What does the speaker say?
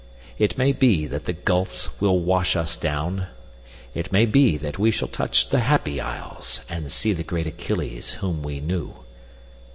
It may be that the gulfs will wash us down: It may be we shall touch the Happy Isles, And see the great Achilles, whom we knew.